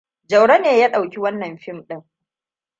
Jauro ne ya ɗauki wannan fim ɗin.